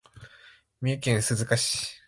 三重県鈴鹿市